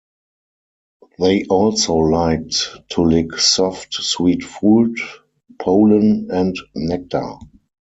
They also liked to lick soft, sweet fruit, pollen and nectar.